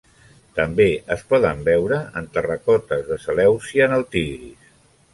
També es poden veure en terracotes de Seleucia en el Tigris.